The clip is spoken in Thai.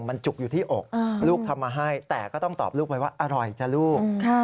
มันจุกอยู่ที่อกลูกทำมาให้แต่ก็ต้องตอบลูกไว้ว่าอร่อยจ้ะลูก